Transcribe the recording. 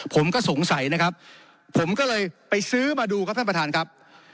ผมก็สงสัยนะครับผมก็เลยไปซื้อมาดูครับท่านประธานครับ